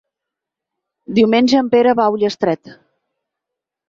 Diumenge en Pere va a Ullastret.